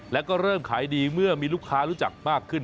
แล้วก็เริ่มขายดีเมื่อมีลูกค้ารู้จักมากขึ้น